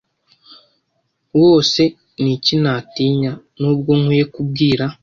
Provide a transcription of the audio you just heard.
wose ni iki natinyaNubwo nkwiye kubwira